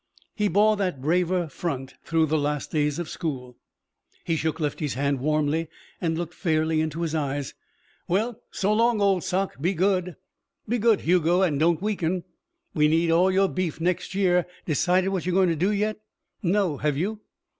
He bore that braver front through the last days of school. He shook Lefty's hand warmly and looked fairly into his eyes. "Well, so long, old sock. Be good." "Be good, Hugo. And don't weaken. We'll need all your beef next year. Decided what you're going to do yet?" "No. Have you?"